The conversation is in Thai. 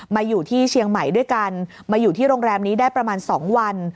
มาอยู่ที่เชียงใหม่ด้วยกันมาอยู่ที่โรงแรมนี้ได้ประมาณ๒วัน